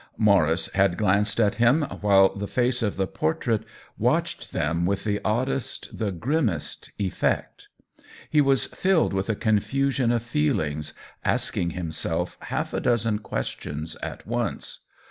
Maurice had glanced at him while the face of the i>ortrait watched them with the oddest, the grimmest effect. He was filled with a confusion of feelings, asking himself half a dozen questions at once.